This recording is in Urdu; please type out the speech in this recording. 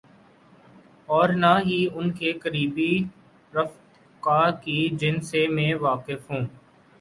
اورنہ ہی ان کے قریبی رفقا کی، جن سے میں واقف ہوں۔